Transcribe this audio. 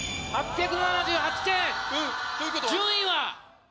順位は？